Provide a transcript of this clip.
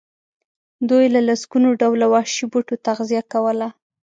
دوی له لسګونو ډوله وحشي بوټو تغذیه کوله.